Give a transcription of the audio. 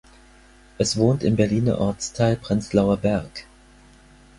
Es wohnt im Berliner Ortsteil Prenzlauer Berg.